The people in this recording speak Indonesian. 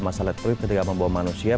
masa let's play ketika membawa manusia